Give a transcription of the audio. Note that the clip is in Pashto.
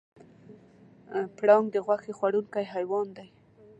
پړانګ د غوښې خوړونکی حیوان دی.